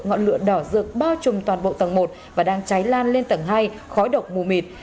ngọn lửa đỏ dược bao trùm toàn bộ tầng một và đang cháy lan lên tầng hai khói độc mù mịt